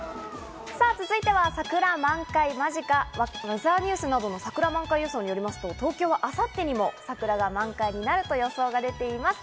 続いては桜満開間近、ウェザーニュースの桜満開予想によりますと、東京は明後日にも桜が満開になると予想が出ています。